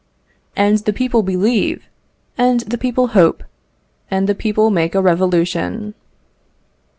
And the people believe, and the people hope, and the people make a revolution!